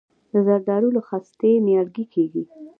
د زردالو له خستې نیالګی کیږي؟